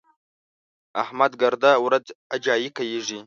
احمد ګرده ورځ اجايي کېږي.